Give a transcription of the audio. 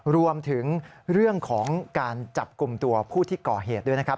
รวมถึงเรื่องของการจับกลุ่มตัวผู้ที่ก่อเหตุด้วยนะครับ